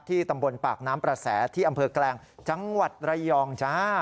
ตำบลปากน้ำประแสที่อำเภอแกลงจังหวัดระยองจ้า